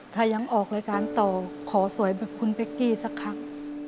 ถ้ายังออกรายการต่อขอสวยแบบคุณเป๊กกี้สักครั้ง